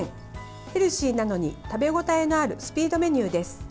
ヘルシーなのに食べ応えのあるスピードメニューです。